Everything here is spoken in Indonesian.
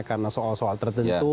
karena soal soal tertentu